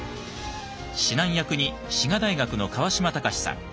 指南役に滋賀大学の川島隆さん